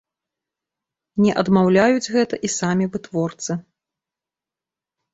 Не адмаўляюць гэта і самі вытворцы.